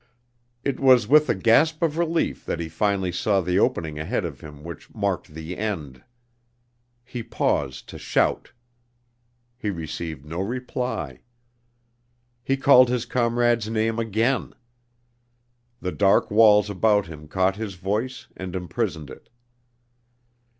It was with a gasp of relief that he finally saw the opening ahead of him which marked the end. He paused to shout. He received no reply. He called his comrade's name again. The dark walls about him caught his voice and imprisoned it.